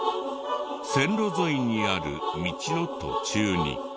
線路沿いにある道の途中に。